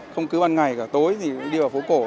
không cứ ban ngày cả tối thì đi vào phố cổ